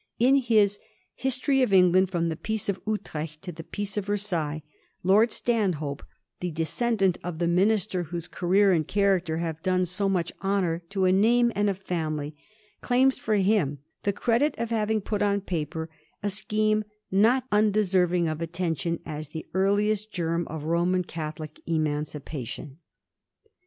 In his ^ History of England firom the Peace of Utrecht to the Peace of Versailles,' Lord Stanhope, the descendant of the minister whose career and character have done so much honour to a name and a family, claims for him the credit of having put on paper a scheme * not undeserving of attention as the earliest germ of Roman Catholic emancipa tion.'